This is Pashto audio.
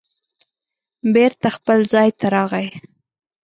بېرته خپل ځای ته راغی